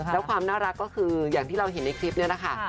แล้วความน่ารักก็คืออย่างที่เราเห็นในคลิปนี้แหละค่ะ